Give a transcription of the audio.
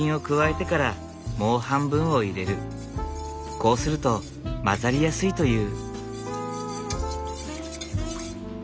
こうすると混ざりやすいという。